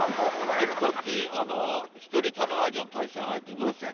でも、１人足らないじゃん、対戦相手、どうするの？